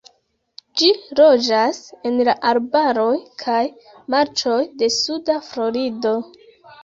Ĝi loĝas en la arbaroj kaj marĉoj de suda Florido.